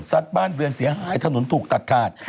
บ้านเรือนเสียหายถนนถูกตัดขาด